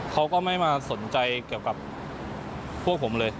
เขาก็ไม่มาสนใจเกี่ยวกับพวกผมเลย